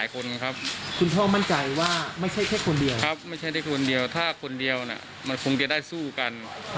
ครับไม่ใช่ได้คนเดียวถ้าคนเดียวน่ะมันคงจะได้สู้กัน